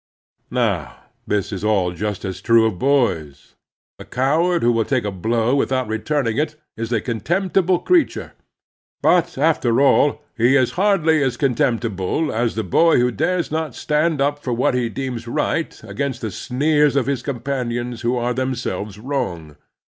Now, this is all just as true of boys. A cow ard who will take a blow without returning it is a contemptible creature ; but, after all, he is hardly as contemptible as the boy who dares not stand up for what he deems right against the sneers of his companions who are themselves wrong.